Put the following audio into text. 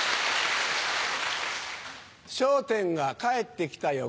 『笑点』が帰ってきたよ